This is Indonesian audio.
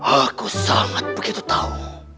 aku sangat begitu tahu